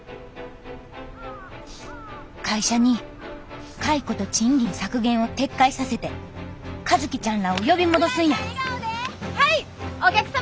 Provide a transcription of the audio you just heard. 会社に解雇と賃金削減を撤回させて和希ちゃんらを呼び戻すんや福来さん